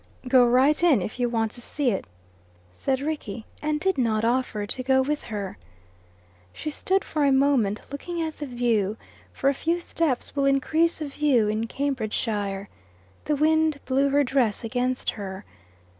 "Go right in if you want to see it," said Rickie, and did not offer to go with her. She stood for a moment looking at the view, for a few steps will increase a view in Cambridgeshire. The wind blew her dress against her.